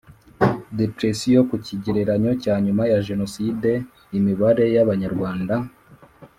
depression ku kigereranyo cya Nyuma ya Jenoside imibare y Abanyarwanda